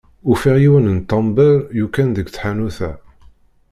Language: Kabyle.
Ufiɣ yiwen n tamber yuqan deg tḥanut-a.